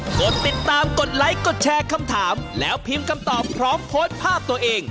กดติดตามกดไลค์กดแชร์คำถามแล้วพิมพ์คำตอบพร้อมโพสต์ภาพตัวเอง